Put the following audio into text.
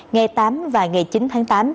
ngày tám và ngày chín tháng tám